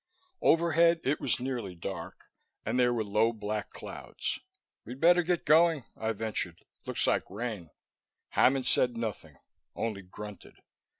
Overhead it was nearly dark, and there were low black clouds. "We'd better get going," I ventured. "Looks like rain." Hammond said nothing, only grunted.